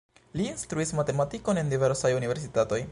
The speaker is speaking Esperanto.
Li instruis matematikon en diversaj universitatoj.